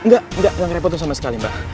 gak gak gak ngerepotin sama sekali mbak